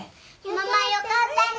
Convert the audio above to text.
ママよかったね！